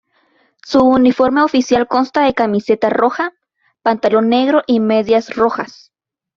Su uniforme oficial consta de camiseta roja, pantalón negro y medias rojas.